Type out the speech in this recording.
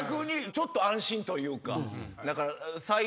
ちょっと安心というか。